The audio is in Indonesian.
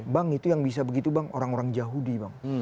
bang itu yang bisa begitu bang orang orang yahudi bang